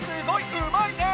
うまいねえ！